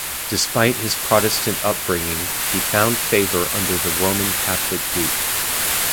Despite his Protestant upbringing, he found favour under the Roman Catholic Duke.